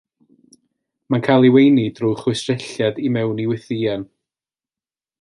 Mae'n cael ei weini drwy chwistrelliad i mewn i wythïen.